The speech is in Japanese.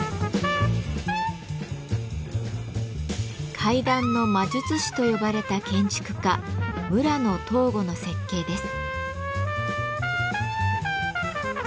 「階段の魔術師」と呼ばれた建築家村野藤吾の設計です。